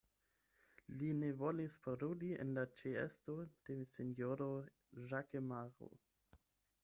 Li ne volis paroli en la ĉeesto de sinjoro Ĵakemaro.